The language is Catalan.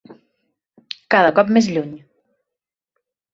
Cada cop més lluny.